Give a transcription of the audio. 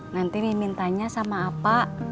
nanti mimin tanya sama apa